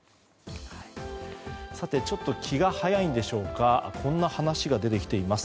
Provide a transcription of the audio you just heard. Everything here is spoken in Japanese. ちょっと気が早いんでしょうかこんな話が出てきています。